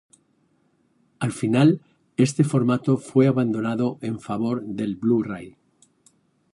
Al final, este formato fue abandonado en favor del Blu-ray.